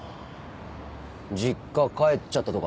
実家帰っちゃったとか。